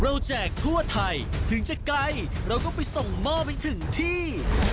แจกทั่วไทยถึงจะไกลเราก็ไปส่งหม้อไปถึงที่